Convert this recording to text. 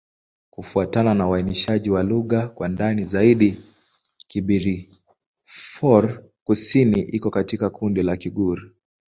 Kufuatana na uainishaji wa lugha kwa ndani zaidi, Kibirifor-Kusini iko katika kundi la Kigur.